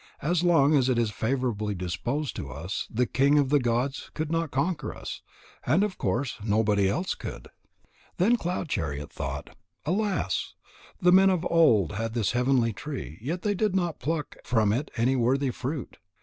As long as it is favourably disposed to us, the king of the gods could not conquer us, and of course nobody else could." Then Cloud chariot thought: "Alas! The men of old had this heavenly tree, yet they did not pluck from it any worthy fruit.